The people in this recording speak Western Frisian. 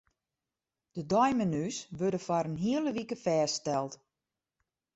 De deimenu's wurde foar in hiele wike fêststeld.